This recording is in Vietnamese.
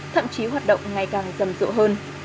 thậm chí hoạt động ngày càng rầm rộ hơn